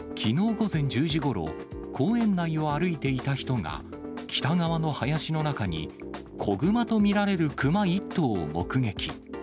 午前１０時ごろ、公園内を歩いていた人が、北側の林の中に、子グマと見られるクマ１頭を目撃。